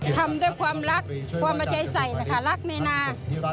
ทำด้วยความรักความประใจใสรักในนา